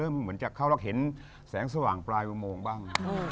เริ่มเหมือนจะเข้าล็อกเห็นแสงสว่างปลายวงบ้าง